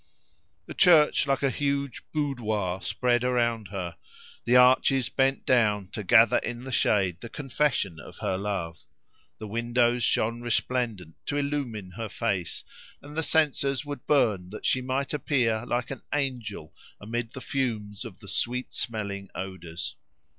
The church like a huge boudoir spread around her; the arches bent down to gather in the shade the confession of her love; the windows shone resplendent to illumine her face, and the censers would burn that she might appear like an angel amid the fumes of the sweet smelling odours.